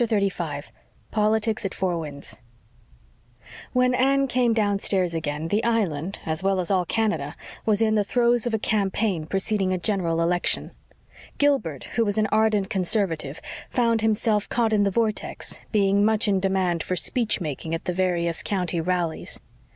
CHAPTER 35 POLITICS AT FOUR WINDS When Anne came downstairs again, the Island, as well as all Canada, was in the throes of a campaign preceding a general election. Gilbert, who was an ardent Conservative, found himself caught in the vortex, being much in demand for speech making at the various county rallies.